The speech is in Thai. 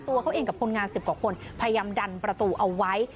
ตัวเขาเองกับคนงาน๑๐กว่าคนพยายามดันประตูเอาไว้